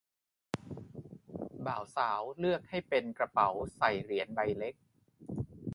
บ่าวสาวเลือกให้เป็นกระเป๋าใส่เหรียญใบเล็ก